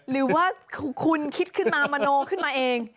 หรือว่าคุณคิดขึ้นมามโนขึ้นมาเอง